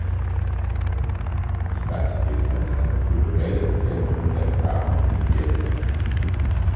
Die Stadt gilt als ein kulturelles Zentrum der Cham in Vietnam.